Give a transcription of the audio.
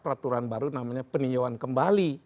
peraturan baru namanya peninjauan kembali